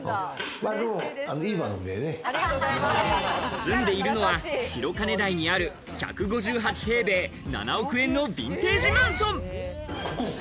住んでいるのは白金台にある１５８平米、７億円のヴィンテージマンション。